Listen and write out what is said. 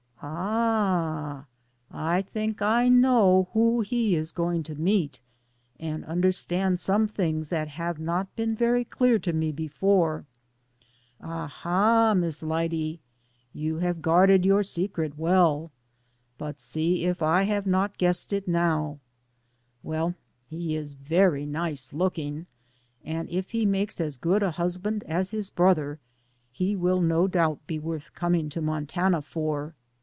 '* Ah, I think I know who he is going to meet, and understand some things that have not been very clear to me before. "Ah, ha, Miss Lyde, you have guarded your secret well, but see if I have not guessed it now?" Well, he is very nice looking, and if he makes as good a husband as his brother, he will no doubt be worth coming to Montana for.